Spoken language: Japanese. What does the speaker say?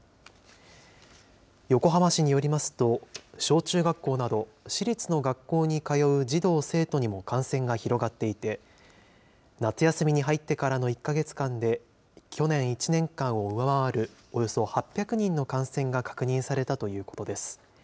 横浜市によりますと、小中学校など、市立の学校に通う児童・生徒にも感染が広がっていて、夏休みに入ってからの１か月間で去年１年間を上回るおよそ８００人の感染が確認されたということです。